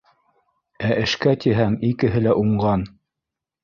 Ә эшкә тиһәң, икеһе лә уңған